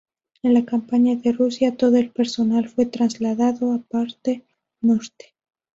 En la campaña de Rusia, todo el personal fue trasladado a la parte norte.